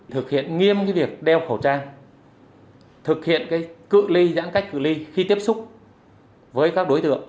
thực hiện nghiêm việc đeo khẩu trang thực hiện cự ly giãn cách cử ly khi tiếp xúc với các đối tượng